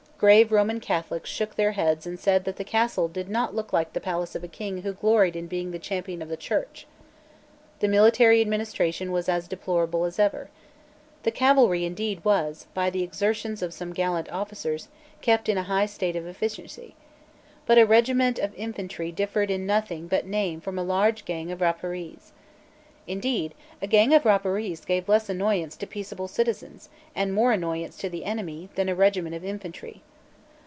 Grave Roman Catholics shook their heads and said that the Castle did not look like the palace of a King who gloried in being the champion of the Church, The military administration was as deplorable as ever. The cavalry indeed was, by the exertions of some gallant officers, kept in a high state of efficiency. But a regiment of infantry differed in nothing but name from a large gang of Rapparees. Indeed a gang of Rapparees gave less annoyance to peaceable citizens, and more annoyance to the enemy, than a regiment of infantry.